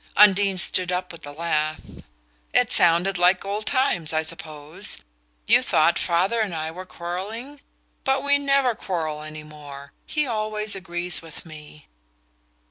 Undine stood up with a laugh. "It sounded like old times, I suppose you thought father and I were quarrelling? But we never quarrel any more: he always agrees with me."